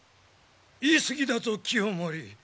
言い過ぎだぞ清盛。